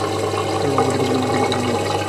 কারন অপ্রীতিকর কিছু ঘটনা ঘটেছে।